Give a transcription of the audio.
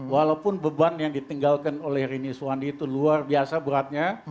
walaupun beban yang ditinggalkan oleh rini suwandi itu luar biasa beratnya